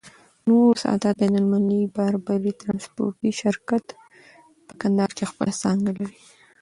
نور سادات بين المللی باربری ترانسپورټي شرکت، په کندهار کي خپله څانګه لری.